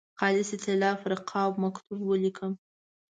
خالصې طلا پر قاب مکتوب ولیکم.